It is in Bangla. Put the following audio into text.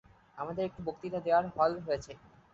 আমাদের একটি বক্তৃতা দেবার হল হয়েছে।